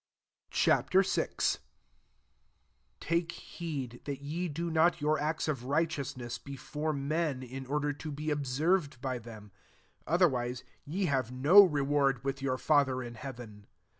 Ch. VI. 1 «« Take heed that ye do not your act* of righte ousness before men, in order to be observed by them: otherwise, ye have no reward with your Father in heaven.